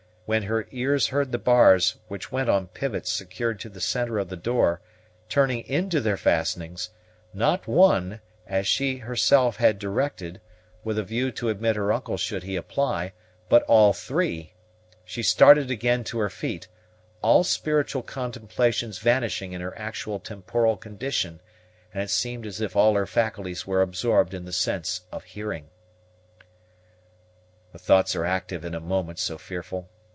When her ears heard the bars, which went on pivots secured to the centre of the door, turning into their fastenings, not one, as she herself had directed, with a view to admit her uncle should he apply, but all three, she started again to her feet, all spiritual contemplations vanishing in her actual temporal condition, and it seemed as if all her faculties were absorbed in the sense of hearing. The thoughts are active in a moment so fearful.